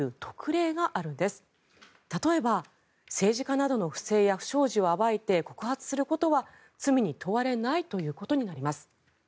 例えば、政治家などの不正や不祥事を暴いて告発することは罪に問われないということになります。